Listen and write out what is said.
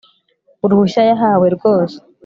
uruhushya yahawe. rwose